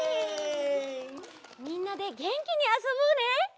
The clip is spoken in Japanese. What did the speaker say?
みんなでげんきにあそぼうね！